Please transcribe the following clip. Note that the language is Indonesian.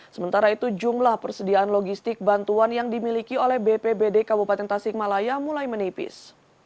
sementara itu jumlah persediaan logistik bantuan yang dimiliki oleh bpbd kabupaten tasikmalaya mulai menipis